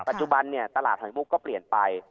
ปัจจุบันนี้ตลาดให้เปลี่ยนไป